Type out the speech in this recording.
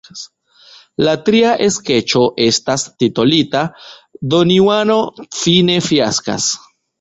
La tria skeĉo estas titolita Donjuano fine fiaskas.